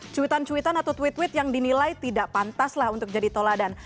cuitan cuitan atau tweet tweet yang dinilai tidak pantaslah untuk jadi toladan